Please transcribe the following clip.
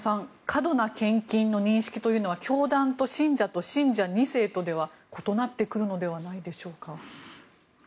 過度な献金の認識というのは教団と信者と信者２世とでは異なってくるのではないでしょうか。